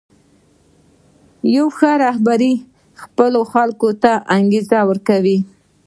یو ښه رهبر خپلو خلکو ته دا انګېزه ورکوي.